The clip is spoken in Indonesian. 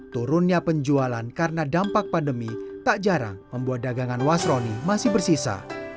turunnya penjualan karena dampak pandemi tak jarang membuat dagangan wasroni masih bersisa